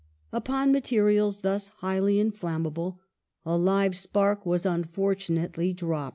Upon materials thus highly inflammable a live spark was un The fortunately dropped.